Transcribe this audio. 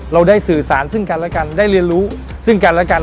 เราได้สื่อสารซึ่งกันและกันได้เรียนรู้ซึ่งกันและกัน